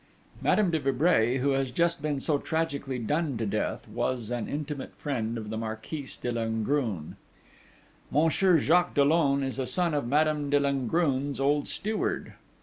Madame de Vibray, who has just been so tragically done to death, was an intimate friend of the Marquise de Langrune.... Monsieur Jacques Dollon is a son of Madame de Langrune's old steward....